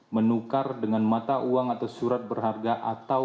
menukar dengan mata uang atau surat berharga atau